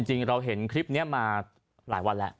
จริงเราเห็นคลิปนี้มาหลายวันแล้ว